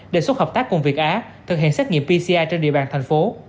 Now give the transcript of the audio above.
đề xuất hợp tác cùng việt á thực hiện xét nghiệm pci trên địa bàn thành phố